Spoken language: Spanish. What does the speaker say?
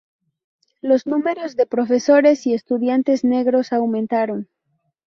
Los números de profesores y estudiantes negros aumentaron.